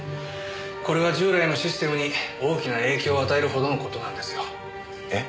これは従来のシステムに大きな影響を与えるほどの事なんですよ。え？